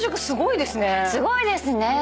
すごいですね。